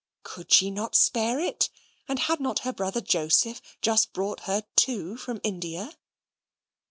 Could she not spare it? and had not her brother Joseph just brought her two from India?